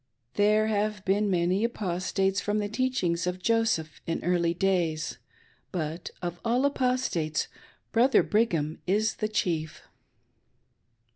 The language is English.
There have been many Apostates from the teachings' of Joseph in early days, but, of all Apostates, Brother Brigham is the chief.